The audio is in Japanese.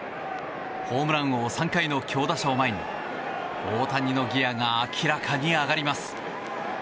ホームラン王３回の強打者を前に大谷のギアが明らかに上がります。